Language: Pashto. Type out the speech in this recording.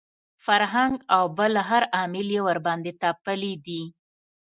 فرهنګ او بل هر عامل یې ورباندې تپلي دي.